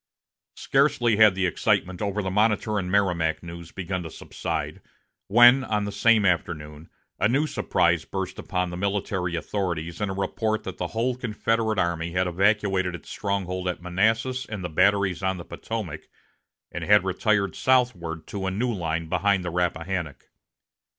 Scarcely had the excitement over the Monitor and Merrimac news begun to subside, when, on the same afternoon, a new surprise burst upon the military authorities in a report that the whole Confederate army had evacuated its stronghold at Manassas and the batteries on the Potomac, and had retired southward to a new line behind the Rappahannock.